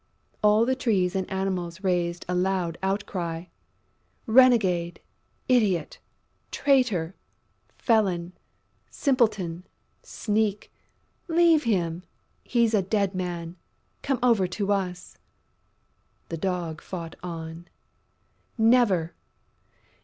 All the Trees and Animals raised a loud outcry: "Renegade!... Idiot!... Traitor!... Felon!... Simpleton!... Sneak!... Leave him!... He's a dead man!... Come over to us!..." The Dog fought on: "Never!